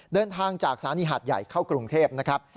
เดินทางจากสถานีหาดใหญ่เข้ากรุงเทพนะครับ